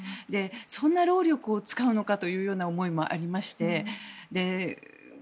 そんな労力を使うのかという思いもありまして